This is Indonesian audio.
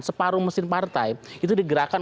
separuh mesin partai itu digerakkan